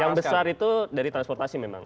yang besar itu dari transportasi memang